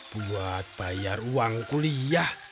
buat bayar uang kuliah